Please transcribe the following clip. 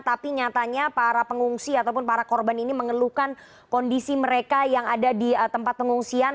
tapi nyatanya para pengungsi ataupun para korban ini mengeluhkan kondisi mereka yang ada di tempat pengungsian